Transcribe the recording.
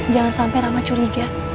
jangan sampai rama curiga